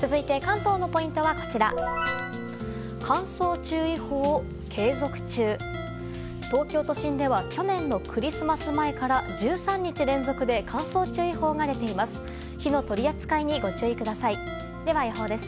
東京都心では去年のクリスマス前から１３日連続で乾燥注意報が出ています。